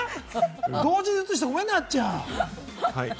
同時に映してごめんね、あっちゃん。